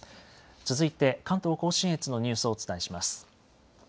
続いて関東甲信越のニュースをお伝えします。